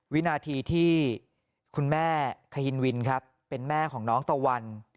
วินาทีที่คุณแม่ขยินวินครับเป็นแม่ของน้องตะวัน